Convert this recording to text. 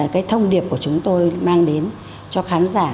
cái thông điệp của chúng tôi mang đến cho khán giả